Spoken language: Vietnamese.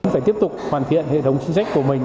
phải tiếp tục hoàn thiện hệ thống chính sách của mình